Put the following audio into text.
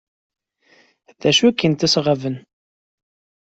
D acu ay kent-iceɣben?